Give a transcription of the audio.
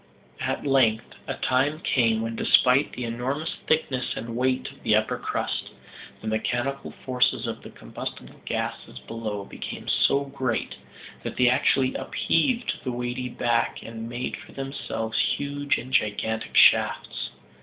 At length a time came when despite the enormous thickness and weight of the upper crust, the mechanical forces of the combustible gases below became so great, that they actually upheaved the weighty back and made for themselves huge and gigantic shafts.